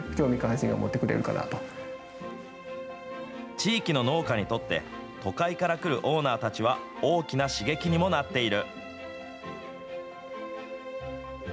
地域の農家にとって、都会から来るオーナーたちは、大きな刺激にもなっている。